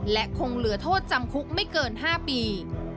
และคงเหลือโทษจำคุกไม่เกิน๕ปี